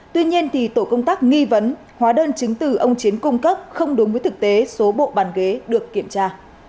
tuy nhiên tổ công tác nghi vấn hóa đơn chứng từ ông chiến cung cấp không đúng với thực tế số bộ bàn ghế được kiểm tra